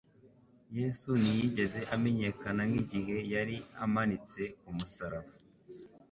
Yesu ntiyigeze amenyekana nk'igihe yari amanitse ku musaraba.